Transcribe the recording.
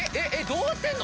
どうなってんの？